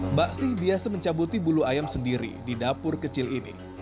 mbak sih biasa mencabuti bulu ayam sendiri di dapur kecil ini